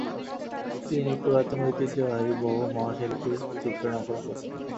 তিনি পুরাতন ঐতিহ্যবাহী বহু মহাশিল্পীর চিত্র নকল করতেন।